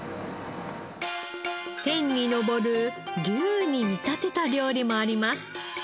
天に昇る龍に見立てた料理もあります。